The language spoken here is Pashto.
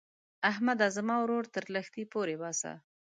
احمده؛ زما ورور تر لښتي پورې باسه.